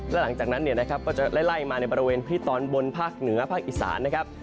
และหลังจากนั้นเนี่ยนะครับก็จะไล่มาในบริเวณพื้นที่ตอนบนภาคเหนือภาคอีสานนะครับ